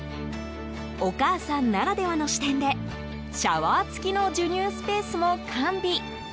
お母さんならではの視点でシャワー付きの授乳スペースも完備。